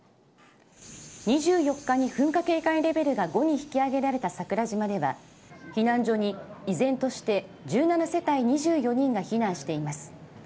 ２４日に、噴火警戒レベルが５に引き上げられた桜島では避難所に依然として１７世帯２４人が避難しています。